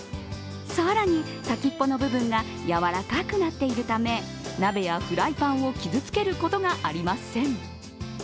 更に、先っぽの部分がやわらかくなっているため鍋やフライパンを傷つけることがありません。